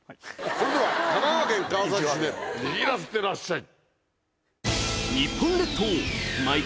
それでは神奈川県川崎市で握らせてらっしゃい。